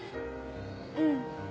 うん。